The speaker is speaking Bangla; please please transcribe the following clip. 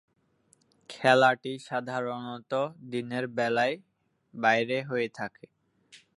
খেলাটি সাধারণত দিনের বেলায় বাইরে হয়ে থাকে।